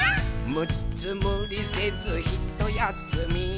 「むっつむりせずひとやすみ」